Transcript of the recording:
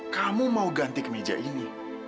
kamu mau ganti kemeja ini